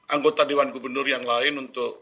anggota dewan gubernur yang lain untuk